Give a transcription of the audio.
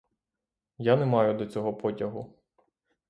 Я не маю до цього потягу.